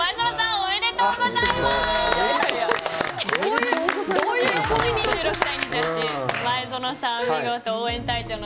おめでとうございますなのかな。